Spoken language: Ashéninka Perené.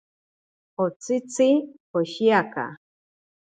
Otsitzi oshiaka.